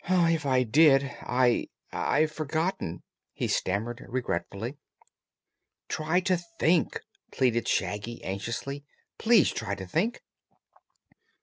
"If I did, I I've forgotten," he stammered regretfully. "Try to think!" pleaded Shaggy, anxiously. "Please try to think!"